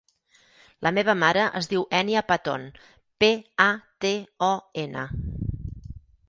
La meva mare es diu Ènia Paton: pe, a, te, o, ena.